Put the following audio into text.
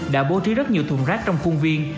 đã bố trí rất nhiều thùng rác trong khuôn viên